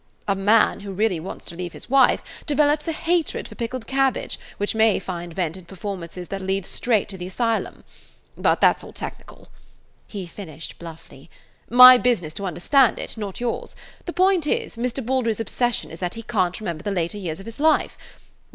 A man who really wants to leave his wife develops a hatred for pickled cabbage which may find vent in performances that lead straight to the asylum. But that 's all technical," he finished bluffly. "My business to understand it, not yours. The point is, Mr. Baldry's obsession is that he can't remember the latter years of his life.